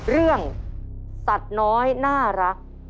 เรื่องสัตว์น้อยน่ารัก